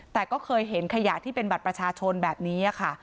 แต่ก็เคยเห็นขยะที่เป็นบัตรประชาชนแบบนี้ค่ะ